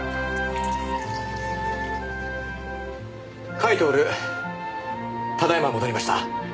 甲斐享ただ今戻りました。